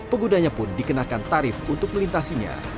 penggunanya pun dikenakan tarif untuk melintasinya